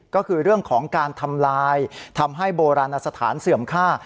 ก็คือเรื่องของการทำลายทำให้โบราณสถานเสื่อมค่า